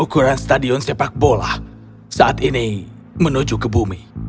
ukuran stadion sepak bola saat ini menuju ke bumi